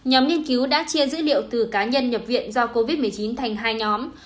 nhóm nghiên cứu đã chia dữ liệu từ cá nhân nhập viện do covid một mươi chín thành hai nhóm